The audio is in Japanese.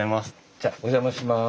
じゃあお邪魔します。